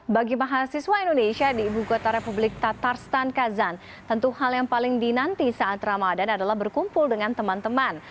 bagi mahasiswa indonesia di ibu kota republik tatarstan kazan tentu hal yang paling dinanti saat ramadan adalah berkumpul dengan teman teman